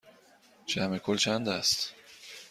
جمع کل چند است؟